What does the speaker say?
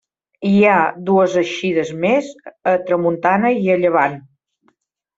Hi ha dues eixides més: a tramuntana i a llevant.